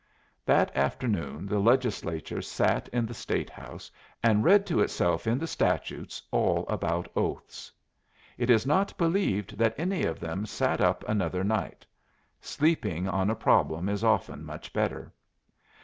That afternoon the Legislature sat in the State House and read to itself in the Statutes all about oaths. It is not believed that any of them sat up another night; sleeping on a problem is often much better.